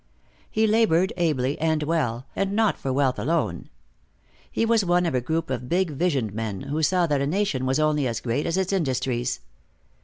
He labored ably and well, and not for wealth alone. He was one of a group of big visioned men who saw that a nation was only as great as its industries.